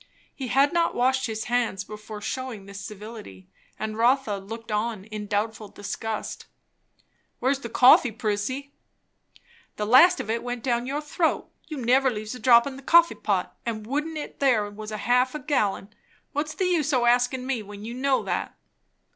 He had not washed his hands before shewing this civility; and Rotha looked on in doubtful disgust. "Where's the coffee, Prissy?" "The last of it went down your throat. You never leaves a drop in the coffee pot, and wouldn't if there was a half a gallon. What's the use o' askin' me, when you know that?"